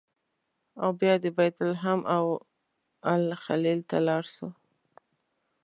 او بیا به بیت لحم او الخلیل ته لاړ شو.